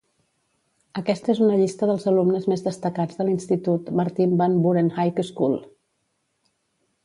Aquesta és una llista dels alumnes més destacats de l'institut Martin Van Buren High School.